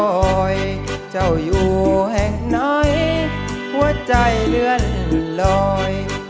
เจ้าอยู่แห่งไหนหัวใจเลื่อนลอย